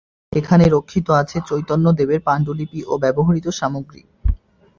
এখানে রক্ষিত আছে চৈতন্যদেবের পাণ্ডুলিপি ও ব্যবহৃত সামগ্রী।